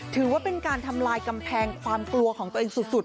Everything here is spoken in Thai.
ถือว่าเป็นการทำลายกำแพงความกลัวของตัวเองสุด